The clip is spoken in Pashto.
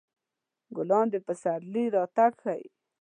ګلان د پسرلي راتګ ښيي.